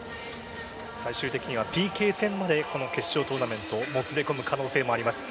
最終的にはＰＫ戦まで決勝トーナメントもつれ込む可能性もあります。